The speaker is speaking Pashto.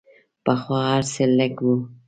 پخوا هر څه لږ وو.